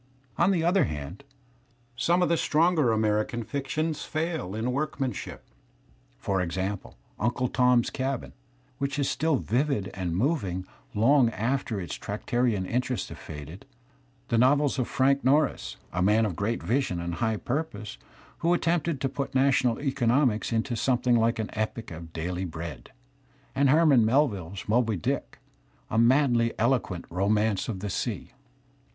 On the other hand» iSome of the stronger American fictions, fail in workmanship; for example, "Unde Tom's Cabin," whic^is still vivid and moving long after its tractarian interest has nnkd; the novels r of tVa nk Noms , a man of great vision and ^gb purpose, who attempted to put national economics into seething like an epic of daOy bread; and Herman MelviUe's ' Moby Dick," a madly eloquent romance of the sea.